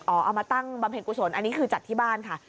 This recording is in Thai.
เอามาตั้งบำเพ็ญกุศลอันนี้คือจัดที่บ้านค่ะ